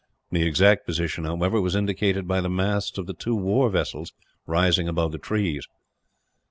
The exact position, however, was indicated by the masts of the two war vessels, rising above the trees.